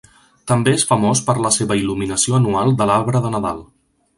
També és famós per la seva il·luminació anual de l'arbre de nadal.